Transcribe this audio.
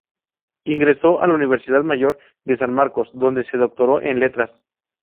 Ingresó a la Universidad Mayor de San Marcos, donde se doctoró en Letras.